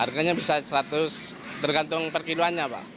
harganya bisa rp seratus tergantung per kilo annya pak